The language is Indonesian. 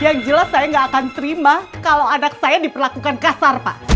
yang jelas saya nggak akan terima kalau anak saya diperlakukan kasar pak